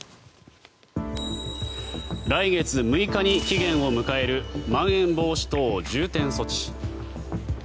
来月６日に期限を迎えるまん延防止等重点措置。